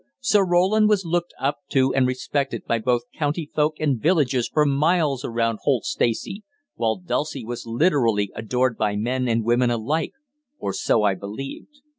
Sir Roland was looked up to and respected by both county people and villagers for miles around Holt Stacey, while Dulcie was literally adored by men and women alike, or so I believed.